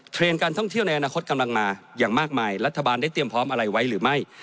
การท่องเที่ยวในอนาคตกำลังมาอย่างมากมายรัฐบาลได้เตรียมพร้อมอะไรไว้หรือไม่